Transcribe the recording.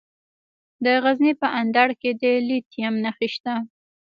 د غزني په اندړ کې د لیتیم نښې شته.